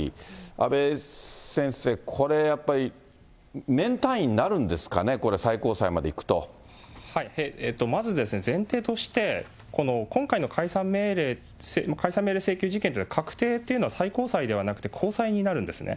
阿部先生、これやっぱり、年単位になるんですかね、これ、最高裁まず前提として、この今回の解散命令請求事件っていうのは、確定というのは、最高裁ではなくて高裁になるんですね。